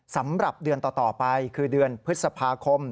สำหรับเดือนต่อไปคือเดือนพฤษภาคม